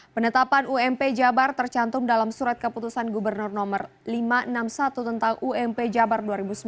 penetapan ump jabar tercantum dalam surat keputusan gubernur no lima ratus enam puluh satu tentang ump jabar dua ribu sembilan belas